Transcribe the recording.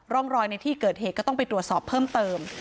ร่องรอยในที่เกิดเหตุก็ต้องไปตรวจสอบเพิ่มเติม